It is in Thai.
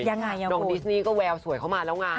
ยังไงน้องดิสนี่ก็แววสวยเข้ามาแล้วไง